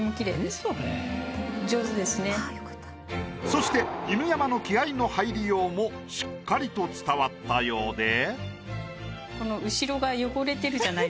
そして犬山の気合の入りようもしっかりと伝わったようで。